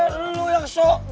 eh lu yang sok